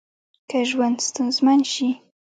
که ژوند ستونزمن شي